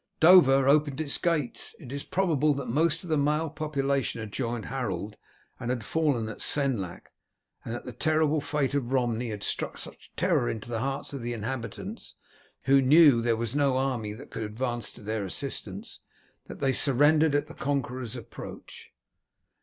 Dover opened its gates. It is probable that most of the male population had joined Harold, and had fallen at Senlac; and that the terrible fate of Romney had struck such terror into the hearts of the inhabitants, who knew there was no army that could advance to their assistance, that they surrendered at the Conqueror's approach.